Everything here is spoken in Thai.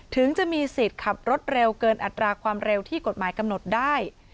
ถึงจะมีสิทธิ์ขับรถเร็วเกินอัตราความเร็วที่กฎหมายกำหนดได้